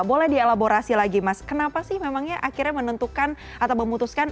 boleh dielaborasi lagi mas kenapa sih memangnya akhirnya menentukan atau memutuskan